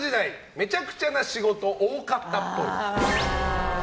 めちゃくちゃな仕事多かったっぽい。